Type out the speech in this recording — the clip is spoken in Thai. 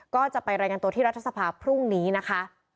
ก็จะไปรายงานตัวที่รัฐสภาพรุ่งนี้นะคะ